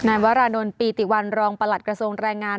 นายวรานนท์ปีติวันรองประหลัดกระทรวงแรงงาน